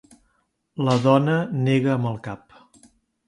La dona nega amb el cap.